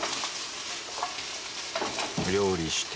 料理して。